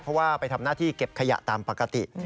เพราะว่าไปทำหน้าที่เก็บขยะตามปกติ